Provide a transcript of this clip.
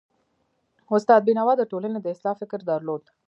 استاد بینوا د ټولني د اصلاح فکر درلود.